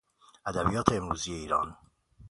ادبیات امروزی ایران